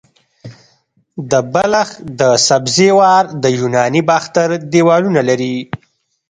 د بلخ د سبزې وار د یوناني باختر دیوالونه لري